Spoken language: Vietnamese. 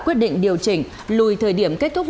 quyết định điều chỉnh lùi thời điểm kết thúc